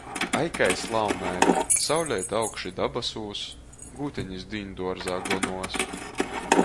Ai, kai slaunai: sauleite augši dabasūs, gūtenis dīnduorzā gonuos!